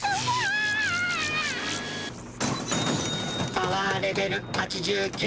「パワーレベル８９」。